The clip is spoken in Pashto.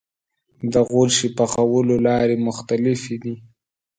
د غوښې پخولو لارې مختلفې دي.